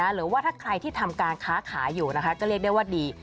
หรือว่าถ้าใครที่ทำการค้าขายอยู่นะคะก็เรียกได้ว่าดี